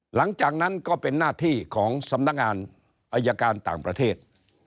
หลังจากนั้นก็เป็นหน้าที่ของสำนักงานอายการต่างประเทศ